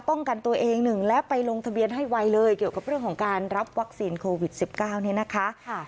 กันตัวเองหนึ่งและไปลงทะเบียนให้ไวเลยเกี่ยวกับเรื่องของการรับวัคซีนโควิด๑๙เนี่ยนะคะ